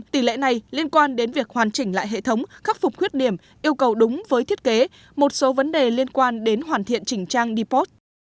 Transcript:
tỷ lệ này liên quan đến việc hoàn chỉnh lại hệ thống khắc phục khuyết điểm yêu cầu đúng với thiết kế một số vấn đề liên quan đến hoàn thiện chỉnh trang depot